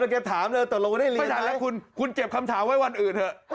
ก็เก็บคำถามไว้วันอื่นเถอะ